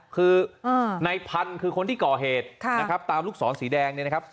คือในพันธุ์คือคนที่ก่อเหตุตามลูกศรสีแดงนะครับ